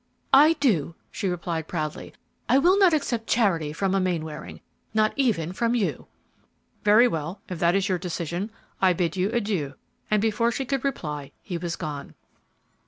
"I do," she replied, proudly; "I will not accept charity from a Mainwaring, not even from you!" "Very well; if that is your decision, I bid you adieu," and before she could reply, he was gone.